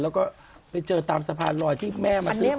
แล้วก็ไปเจอตามสะพานลอยที่แม่มาซื้อของ